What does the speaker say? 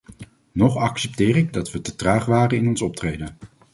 Noch accepteer ik dat we te traag waren in ons optreden.